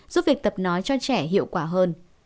giúp việc tập nói cho trẻ hiệu quả hơn